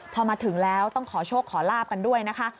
พอมาถึงแล้วต้องขอโชคขอลาบกันด้วยนะคะ